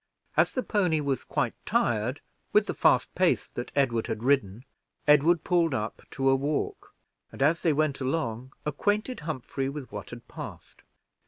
As the pony was quite tired with the fast pace that Edward had ridden, Edward pulled up to a walk, and as they went along acquainted Humphrey with what had passed.